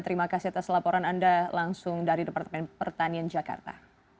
terima kasih atas laporan anda langsung dari departemen pertanian jakarta